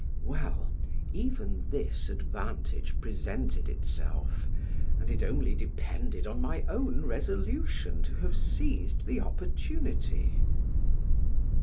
Well, even this advantage presented itself, and it only depended on my own resolution to have seized the opportunity.